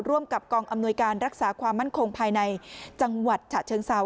ร่วมกับกองอำนวยการรักษาความมั่นคงภายในจังหวัดฉะเชิงเซา